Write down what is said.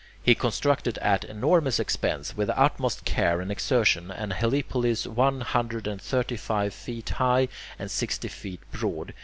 He constructed at enormous expense, with the utmost care and exertion, an helepolis one hundred and thirty five feet high and sixty feet broad.